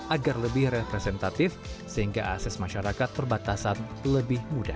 agar lebih representatif sehingga akses masyarakat perbatasan lebih mudah